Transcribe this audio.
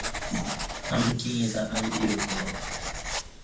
امکی ییں تہ انجی یو کوبہ بہ۔